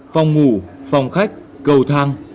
phòng ngủ phòng khách cầu thang